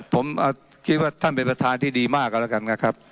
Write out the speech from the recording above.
ผมคิดว่าท่านเป็นประธานที่ดีมากกันแล้วกันนะครับ